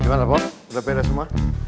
gimana pak udah beres semua